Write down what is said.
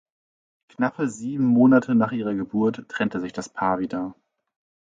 Knappe sieben Monate nach ihrer Geburt trennte sich das Paar wieder.